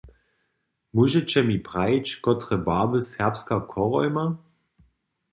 Móžeće mi prajić, kotre barby serbska chorhoj ma?